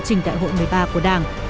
trình đại hội một mươi ba của đảng